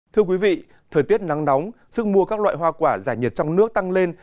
thưa quý vị thời tiết nắng nóng sức mua các loại hoa quả giải nhiệt trong nước tăng lên